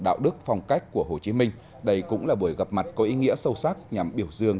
đạo đức phong cách của hồ chí minh đây cũng là buổi gặp mặt có ý nghĩa sâu sắc nhằm biểu dương